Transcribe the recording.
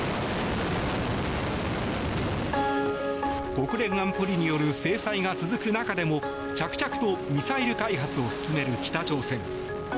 国連安保理による制裁が続く中でも着々とミサイル開発を進める北朝鮮。